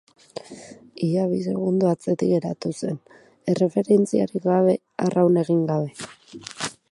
Ia bi segundo atzetik geratu zen, erreferentziarik gabe arraun egin gabe.